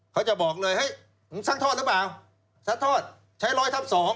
เขาจะบอกเลยสร้างทอดหรือเปล่าสัดทอดใช้๑๐๐ทับ๒